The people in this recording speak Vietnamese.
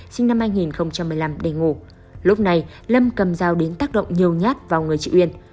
sinh năm hai nghìn một mươi năm để ngủ lúc này lâm cầm dao đến tác động nhiều nhát vào người chị uyên